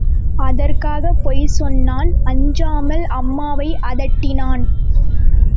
அதற்காகப் பொய் சொன்னான், அஞ்சாமல் அம்மாவை அதட்டினான்.